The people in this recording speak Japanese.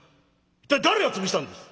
「一体誰が潰したんです！？」。